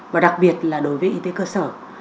và đặc biệt là đối với y tế cơ sở